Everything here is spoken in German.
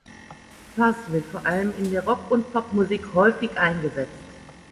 Fuzz wird vor allem in der Rock- und Popmusik häufig eingesetzt.